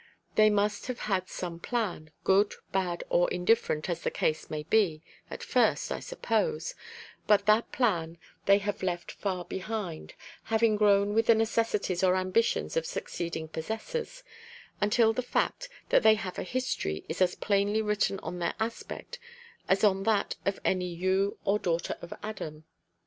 They must have had some plan, good, bad, or indifferent, as the case may be, at first, I suppose; but that plan they have left far behind, having grown with the necessities or ambitions of succeeding possessors, until the fact that they have a history is as plainly written on their aspect as on that of any son or daughter of Adam.